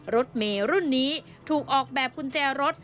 รถเมรุ่นนี้ถูกออกแบบกุญแจรถ